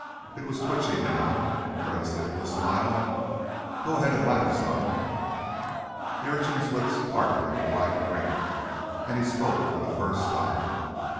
It was twitching now, and Gray said, with a smile, "Go ahead and laugh, son." The urchin's lips parted in a wide grin, and he spoke for the first time.